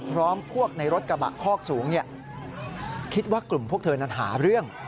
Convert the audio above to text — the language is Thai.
พร้อมพวกในรถกระบะคอกสูงคิดว่ากลุ่มพวกเธอนั้นหาเรื่อง